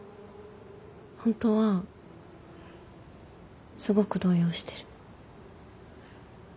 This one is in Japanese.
本当はすごく動揺してる。